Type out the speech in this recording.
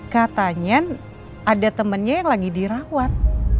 katanya ada temennya yang lagi dirawat